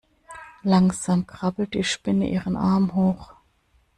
Langsam krabbelt die Spinne ihren Arm hoch.